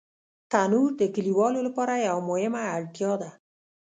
تنور د کلیوالو لپاره یوه مهمه اړتیا ده